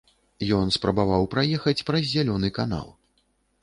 Ён спрабаваў праехаць праз зялёны канал.